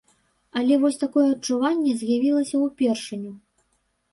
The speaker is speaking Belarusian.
Але вось такое адчуванне з'явілася ўпершыню.